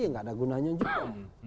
ya tidak ada gunanya juga